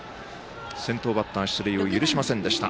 先頭バッター出塁を許しませんでした。